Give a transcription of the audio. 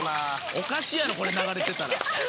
おかしいやろこれ流れてたら。